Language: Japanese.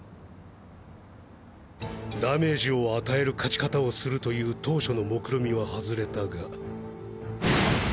ダメージを与える勝ち方をするという当初の目論見は外れたが。